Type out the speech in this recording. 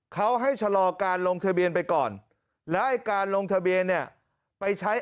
เขาให้ชะลอการลงทะเบียนไปก่อนแล้วไอ้การลงทะเบียนเนี่ยไปใช้